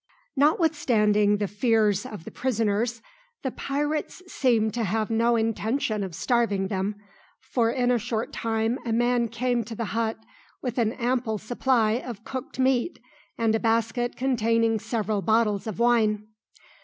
Notwithstanding the fears of the prisoners, the pirates seemed to have no intention of starving them, for in a short time a man came to the hut with an ample supply of cooked meat and a basket containing several bottles of wine.